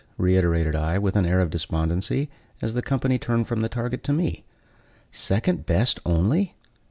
reiterated I, with an air of despondency, as the company turned from the target to me. "Second best, only?